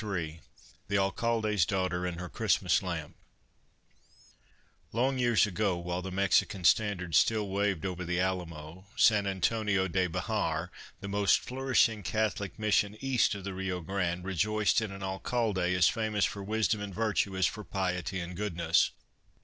70 THE ALCALDE'S DAUGHTER AND HER CHRISTMAS LAMP LONG years ago, while the Mexican standard still waved over the Alamo, San Antonio de Bexar, the most flourishing Catholic Mission east of the Rio Grande, rejoiced in an Alcalde as famous for wisdom and virtue as for piety and goodness.